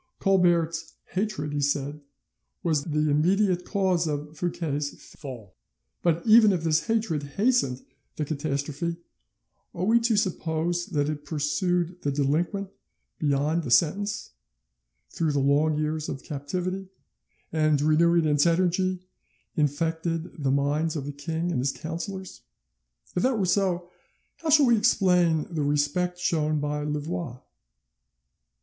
Colbert's hatred, says he, was the immediate cause of Fouquet's fall; but even if this hatred hastened the catastrophe, are we to suppose that it pursued the delinquent beyond the sentence, through the long years of captivity, and, renewing its energy, infected the minds of the king and his councillors? If that were so, how shall we explain the respect shown by Louvois?